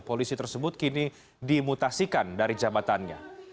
polisi tersebut kini dimutasikan dari jabatannya